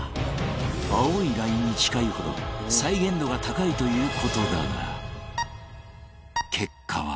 青いラインに近いほど再現度が高いという事だが結果は